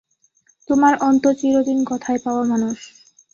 তোমার অন্তু চিরদিন কথায়-পাওয়া মানুষ।